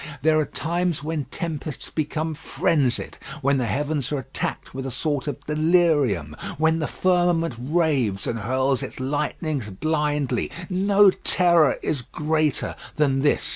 There are times when tempests become frenzied, when the heavens are attacked with a sort of delirium; when the firmament raves and hurls its lightnings blindly. No terror is greater than this.